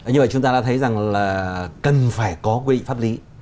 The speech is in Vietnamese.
như vậy chúng ta đã thấy rằng là cần phải có quy định pháp lý